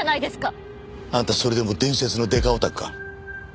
あんたそれでも伝説のデカオタクか？